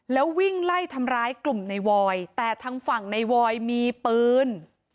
แล้ววิ่งไล่ทำร้ายกลุ่มในวอยแต่ทางฝั่งในวอยมีปืน